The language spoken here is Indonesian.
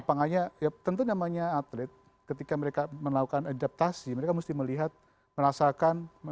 lapangannya ya tentu namanya atlet ketika mereka melakukan adaptasi mereka mesti melihat merasakan